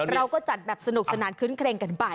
เราก็จัดแบบสนุกสนานคื้นเครงกันไป